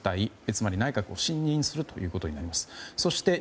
つまり内閣信任するということになります。